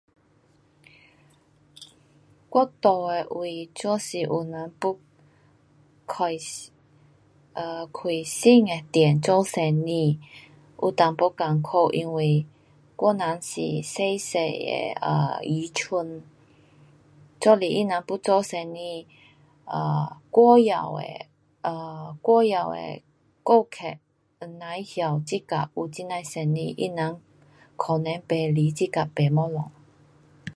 我住的位若是有人要开[um]，啊，开新的店做生意，有一点困苦，因为我人是小小的啊，鱼村。若是他人要做生意，啊，外后的啊，外后的过客甭晓这角有这样的生意。他人可能不来这角买东西。